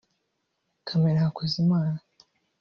Camera Hakuzimana